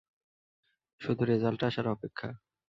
শুধু রেজাল্ট আসার অপেক্ষা!